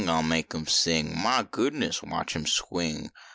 ! I ll make im sing ; Mali goodness, watch im swing.